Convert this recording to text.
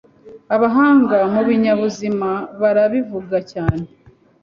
abahanga mu binyabuzima barabivuga cyane